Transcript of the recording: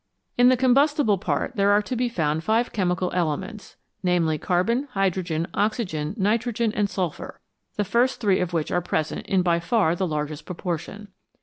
In the combustible part there are to be found five chemical elements, 'namely, carbon, hydrogen, oxygen, nitrogen, and sulphur, the first three of which are present in by far the largest proportion.